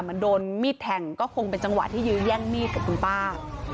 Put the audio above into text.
เหมือนโดนมีดแทงก็คงเป็นจังหวะที่ยื้อแย่งมีดกับคุณป้า